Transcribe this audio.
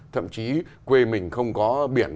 thậm chí quê mình không có biển